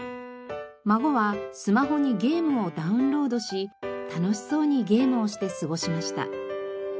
孫はスマホにゲームをダウンロードし楽しそうにゲームをして過ごしました。